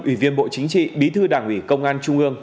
ủy viên bộ chính trị bí thư đảng ủy công an trung ương